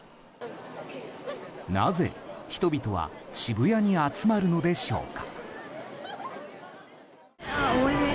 なぜ、人々は渋谷に集まるのでしょうか。